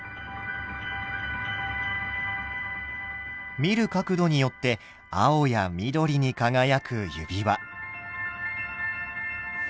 見る角度によって青や緑に輝く指輪。